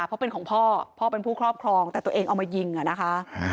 เพราะเป็นของพ่อพ่อเป็นผู้ครอบครองแต่ตัวเองเอามายิงอ่ะนะคะ